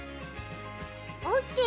オッケー？